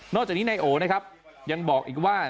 นอกจากนี้ในโอ๋นะครับยังบอกอีกว่า